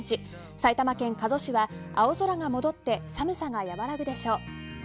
埼玉県加須市は青空が戻って寒さが和らぐでしょう。